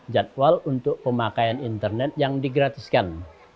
jadwal untuk pemakaian internet yang digratiskan